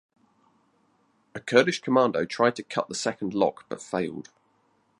A Kurdish commando tried to cut the second lock but failed.